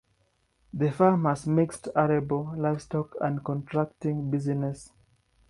The farm has a mixed arable, livestock and contracting business.